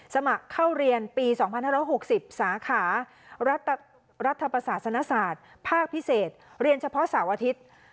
สมัครเข้าเรียนปี๒๕๖๐สาขารัฐประศาสนศาสตร์ภาคพิเศษเรียนเฉพาะเสาร์อาทิตย์